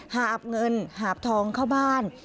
หาบเงินหาบทองเข้าบ้าน